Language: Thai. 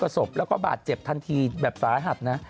ศพแล้วก็บาดเจ็บทันทีแบบสาหัสนะ